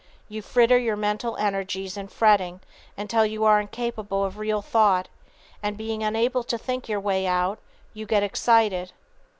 You fritter your mental energies in fretting until you are incapable of real thought, and being unable to think your way out you get excited.